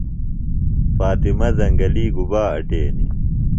فاطمہ زنگلیۡ گُبا اٹینیۡ؟